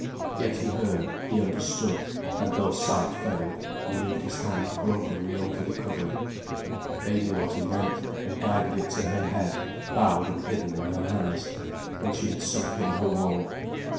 Yet he heard, he understood, and though sight failed, he moved his hand gropingly over the covering. They knew what he meant, and guided it to her head, bowed and hidden in her hands, when she had sunk in her woe.